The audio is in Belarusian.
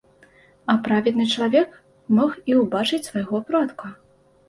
А праведны чалавек мог і ўбачыць свайго продка.